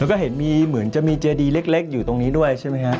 แล้วก็เห็นมีเหมือนจะมีเจดีเล็กอยู่ตรงนี้ด้วยใช่ไหมฮะ